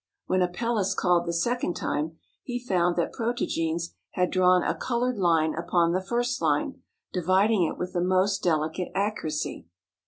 When Apelles called the second time he found that Protogenes had drawn a colored line upon the first line, dividing it with the most delicate accuracy.